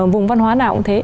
vùng văn hóa nào cũng thế